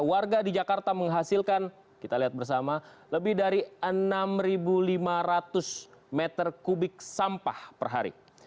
warga di jakarta menghasilkan lebih dari enam lima ratus meter kubik sampah per hari